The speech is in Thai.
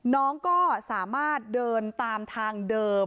น้องก็สามารถเดินตามทางเดิม